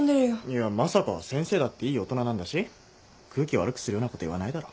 いやまさか先生だっていい大人なんだし空気悪くするようなこと言わないだろ。